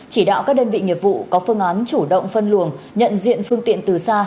chỉ đạo các đơn vị nghiệp vụ có phương án chủ động phân luồng nhận diện phương tiện từ xa